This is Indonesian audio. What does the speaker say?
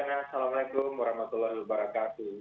assalamualaikum warahmatullahi wabarakatuh